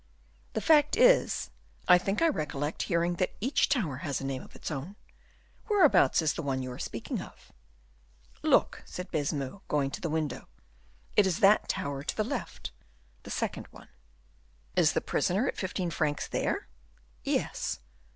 The fact is, I think I recollect hearing that each tower has a name of its own. Whereabouts is the one you are speaking of?" "Look," said Baisemeaux, going to the window. "It is that tower to the left the second one." "Is the prisoner at fifteen francs there?" "Yes."